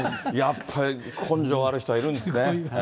やっぱり根性ある人はいるんですね。